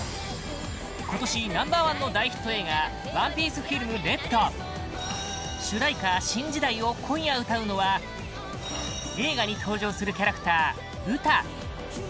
今年ナンバー１の大ヒット映画「ＯＮＥＰＩＥＣＥＦＩＬＭＲＥＤ」主題歌「新時代」を今夜歌うのは映画に登場するキャラクターウタ